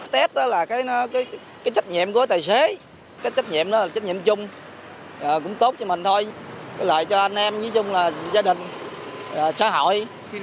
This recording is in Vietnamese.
tết đó là cái trách nhiệm của tài xế cái trách nhiệm đó là trách nhiệm chung cũng tốt cho mình thôi lại cho anh em giá đình xã hội